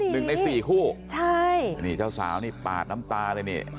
คู่นี้ใน๔คู่ใช่นี่เจ้าสาวนี่ปาดน้ำตาเลยเนี่ย